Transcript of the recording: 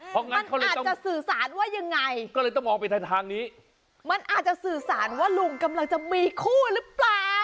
มันอาจจะสื่อสารว่ายังไงมันอาจจะสื่อสารว่าลุงกำลังจะมีคู่หรือเปล่า